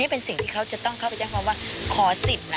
เป็นสิ่งที่เขาจะต้องเข้าไปแจ้งความว่าขอสิทธิ์นะ